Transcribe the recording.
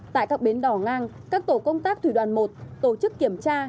tại các bến đỏ ngang các tổ công tác thủy đoàn một tổ chức kiểm tra